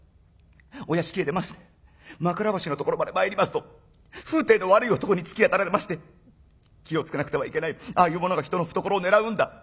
お屋敷出まして枕橋のところまで参りますと風体の悪い男に突き当たられまして『気を付けなくてはいけないああいう者が人の懐を狙うんだ』。